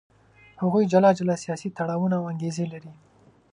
هغوی جلا جلا سیاسي تړاوونه او انګېزې لري.